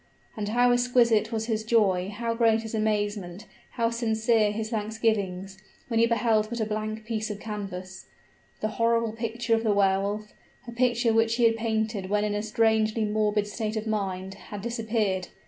And how exquisite was his joy, how great his amazement, how sincere his thanksgivings, when he beheld but a blank piece of canvas. The horrible picture of the Wehr Wolf, a picture which he had painted when in a strangely morbid state of mind had disappeared.